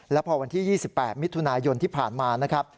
แล้วพอวันที่๒๘มิถุนายนที่ผ่านมานะครับ